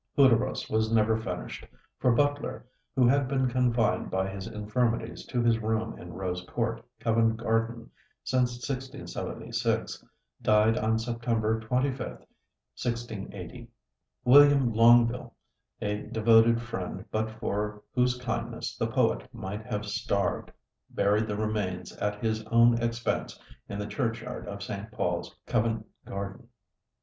'Hudibras' was never finished; for Butler, who had been confined by his infirmities to his room in Rose Court, Covent Garden, since 1676, died on September 25th, 1680. William Longueville, a devoted friend but for whose kindness the poet might have starved, buried the remains at his own expense in the churchyard of St. Paul's, Covent Garden.